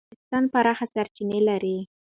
افغانستان پراخې سرچینې لري.